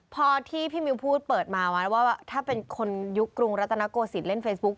พอที่พี่มิวพูดเปิดมาแล้วว่าถ้าเป็นคนยุคกรุงรัตนโกศิษย์เล่นเฟซบุ๊ค